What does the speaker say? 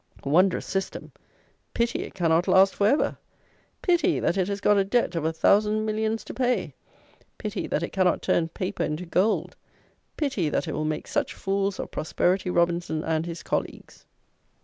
Wondrous system! Pity it cannot last for ever! Pity that it has got a Debt of a thousand millions to pay! Pity that it cannot turn paper into gold! Pity that it will make such fools of Prosperity Robinson and his colleagues!